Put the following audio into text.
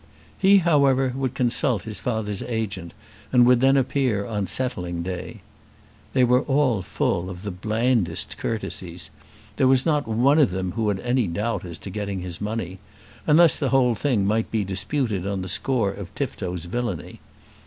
He however would consult his father's agent and would then appear on settling day. They were all full of the blandest courtesies. There was not one of them who had any doubt as to getting his money, unless the whole thing might be disputed on the score of Tifto's villany.